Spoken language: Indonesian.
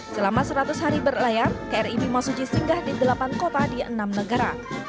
selama seratus hari berlayar kri bimasuji singgah di delapan kota di enam negara